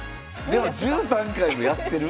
でも１３回もやってる？